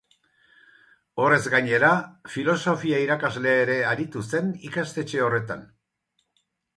Horrez gainera, filosofia irakasle ere aritu zen ikastetxe horretan.